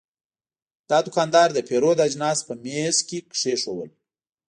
دا دوکاندار د پیرود اجناس په میز کې کېښودل.